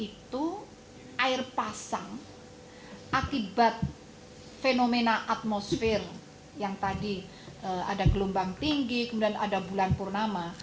itu air pasang akibat fenomena atmosfer yang tadi ada gelombang tinggi kemudian ada bulan purnama